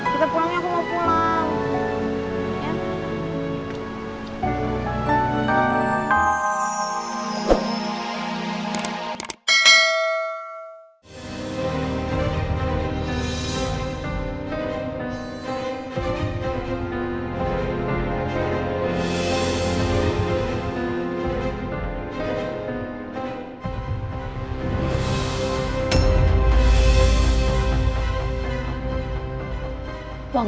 kita pulang ya aku mau pulang